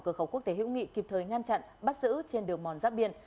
cửa khẩu quốc tế hữu nghị kịp thời ngăn chặn bắt giữ trên đường mòn giáp biên